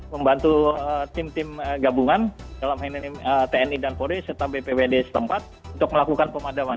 membantu tim tim gabungan dalam hal ini tni dan polri serta bpwd setempat untuk melakukan pemadaman